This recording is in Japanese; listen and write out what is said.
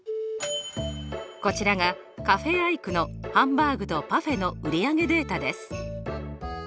こちらがカフェ・アイクのハンバーグとパフェの売り上げデータです。